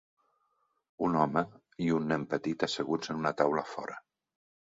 Un home i un nen petit asseguts en una taula fora.